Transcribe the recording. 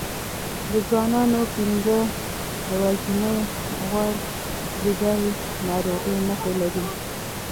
د ځوانانو پنځه یوازینۍ د غوړ ځیګر ناروغۍ نښې لري.